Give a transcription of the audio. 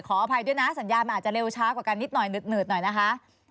ขออภัยด้วยนะสัญญาณมันอาจจะเร็วช้ากว่ากันนิดหน่อยหนืดหน่อยนะคะ